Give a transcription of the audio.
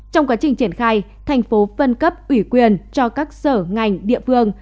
trong quá trình triển khai thành phố phân cấp ủy quyền cho các sở ngành địa phương